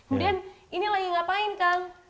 kemudian ini lagi ngapain kang